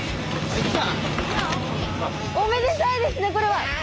おめでたいですねこれは。わあ！